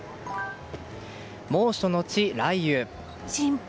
猛暑のち雷雨。